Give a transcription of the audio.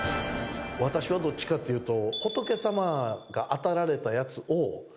私はどっちかというと。